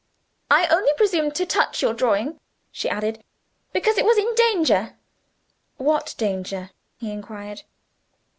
"I only presumed to touch your drawing," she said, "because it was in danger." "What danger?" he inquired.